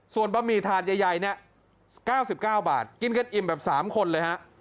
ส่วนบะหมี่ถาดใหญ่เนี่ย๙๙บาทกินกันอิ่มแบบ๓คนเลยฮะ